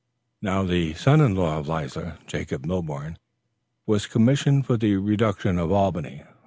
The son in law of Leisler, Jacob Milborne, was commissioned for the reduction of Albany.